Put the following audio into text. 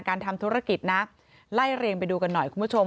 ทำธุรกิจนะไล่เรียงไปดูกันหน่อยคุณผู้ชม